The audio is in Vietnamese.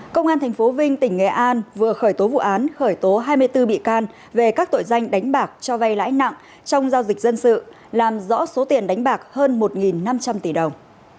công an tp vinh tỉnh nghệ an vừa khởi tố vụ án khởi tố hai mươi bốn bị can về các tội danh đánh bạc cho vay lãi nặng trong giao dịch dân sự làm rõ số tiền đánh bạc hơn một năm trăm linh tỷ đồng